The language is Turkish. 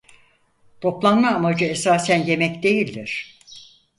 Toplanma amacı esasen yemek değilidir.